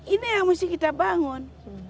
ini yang mesti kita bangun